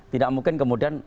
tidak mungkin kemudian